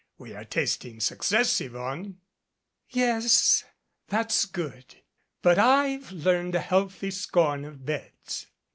We are tasting success, Yvonne." "Yes and it's good but I've learned a healthy scorn of beds.